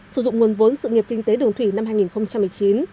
sử dụng nguồn vốn sự nghiệp kinh tế đường thủy năm hai nghìn một mươi chín